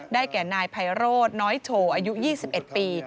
ได้แก่นายไภโรดน้อยโชอายุ๒๑ปี